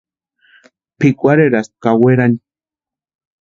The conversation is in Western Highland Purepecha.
Pʼikwarherasti ka werani.